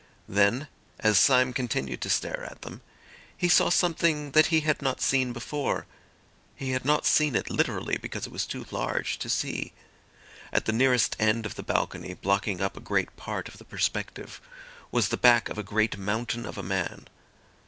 Then, as Syme continued to stare at them, he saw something that he had not seen before. He had not seen it literally because it was too large to see. At the nearest end of the balcony, blocking up a great part of the perspective, was the back of a great mountain of a man.